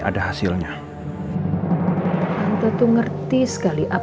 yaudah deh gue kerjain ya